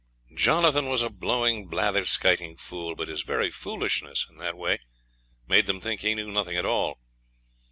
Jonathan was a blowing, blatherskiting fool; but his very foolishness in that way made them think he knew nothing at all.